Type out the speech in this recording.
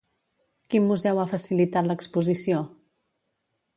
Quin museu ha facilitat l'exposició?